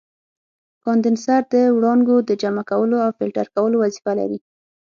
کاندنسر د وړانګو د جمع کولو او فلټر کولو وظیفه لري.